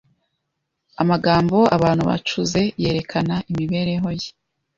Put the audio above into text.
amagambo abantu bacuze yerekana imibereho ye,